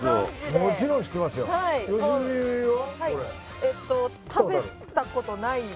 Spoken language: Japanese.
もちろん知ってますよないの？